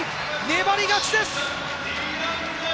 粘り勝ちです！